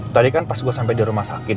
tadi kan pas gue sampai di rumah sakit